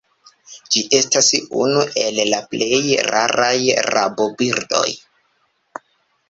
Ĝi estas unu el la plej raraj rabobirdoj.